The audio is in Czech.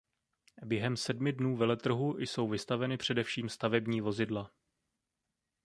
Během sedmi dnů veletrhu jsou vystaveny především stavební vozidla.